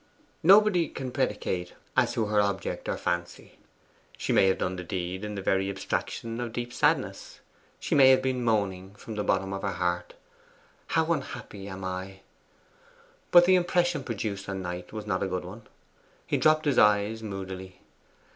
Nobody can predicate as to her object or fancy; she may have done the deed in the very abstraction of deep sadness. She may have been moaning from the bottom of her heart, 'How unhappy am I!' But the impression produced on Knight was not a good one. He dropped his eyes moodily.